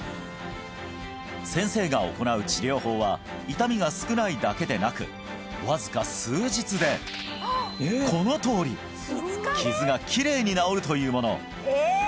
先生が行う治療法は痛みが少ないだけでなくわずか数日でこのとおり傷がきれいに治るというものえ！